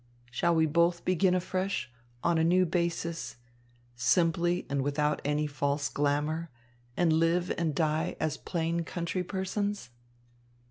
Shall we both begin afresh, on a new basis, simply and without any false glamour, and live and die as plain country persons?